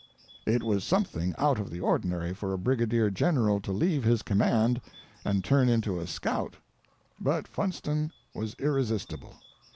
It was something out of the ordinary for a brigadier general to leave his command and turn into a scout, but Funston was irresistible.